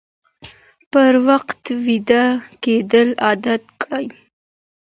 پر وخت ويده کېدل عادت کړه